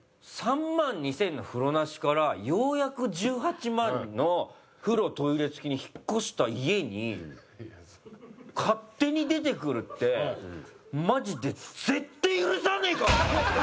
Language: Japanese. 俺３万２０００の風呂なしからようやく１８万の風呂トイレ付きに引っ越した家に勝手に出てくるってマジでぜってえ許さねえからな！と思って。